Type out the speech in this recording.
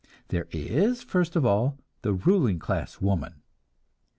There is, first of all, the ruling class woman.